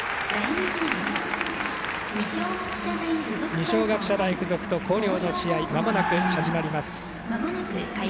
二松学舎大付属と広陵の試合がまもなく始まります。